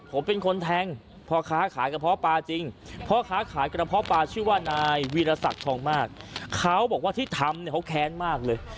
ผมเป็นคนแทงพ่อค้าขายกระเพาะปลาจริงพ่อค้าขายกระเพาะปลาชื่อว่านายวีรศักดิ์ทองมากเขาบอกว่าที่ทำเนี่ยเขาแค้นมากเลย